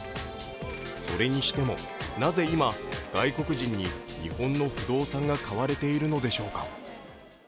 それにしても、なぜ今、外国人に日本の不動産が買われているのでしょうか？